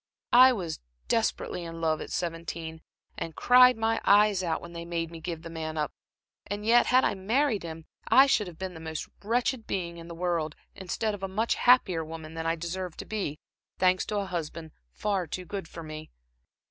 "I was desperately in love at seventeen, and cried my eyes out when they made me give the man up; and yet had I married him, I should have been the most wretched being in the world, instead of a much happier woman than I deserve to be, thanks to a husband far too good for me.